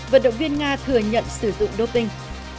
vận động viên nga thừa nhận sử dụng doping